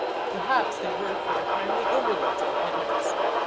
Perhaps they were for a time the overlords of the Hittites.